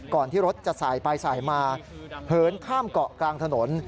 ที่รถจะสายไปสายมาเหินข้ามเกาะกลางถนน